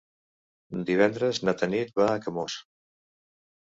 Divendres na Tanit va a Camós.